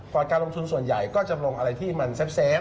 การลงทุนส่วนใหญ่ก็จะลงอะไรที่มันเซฟ